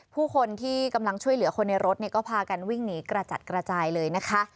ผู้คนที่กำลังช่วยเหลือคนในรถก็พากันวิ่งหนีกระจัดกระจายเลยนะคะ